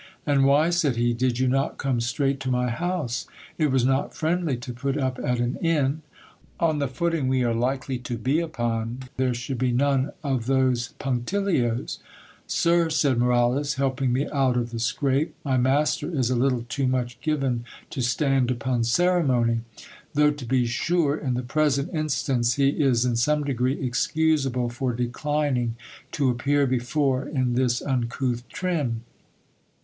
And why, said he, did you not come straight to my house ? It \va> not friendly to put up at an inn. On the footing we are likely to be upon, there should be none of those punctilios. Sir, said Moralez, helping me out of the scrape, my master is a little too much given to stand upon ceremony. Though to be sure, in the present instance, he is in some degree excusable for declining to appear before in this uncouth trim.